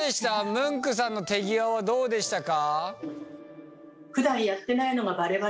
ムンクさんの手際はどうでしたか？